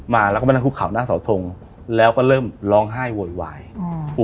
มาแล้วก็มานั่งคุกเขาหน้าเสาทงแล้วก็เริ่มร้องไห้โวยวายอืม